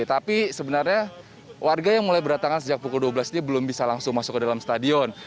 tapi sebenarnya warga yang mulai berdatangan sejak pukul dua belas ini belum bisa langsung masuk ke dalam stadion